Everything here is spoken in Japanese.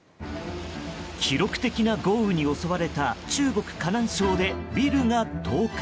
記録的な豪雨に襲われた中国・河南省でビルが倒壊。